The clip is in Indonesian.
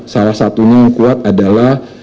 salah satunya yang kuat adalah